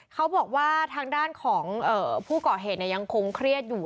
เขาบอกว่าทางด้านของผู้ก่อเหตุยังคงเครียดอยู่